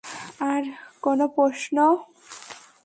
আর কোনো প্রশ্ন?